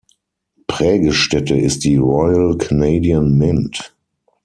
Prägestätte ist die Royal Canadian Mint.